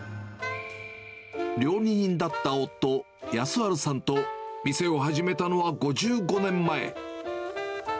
料理人だった夫、康晴さんと店を始めたのは５５年前。